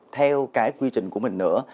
theo cái quy trình của mình nữa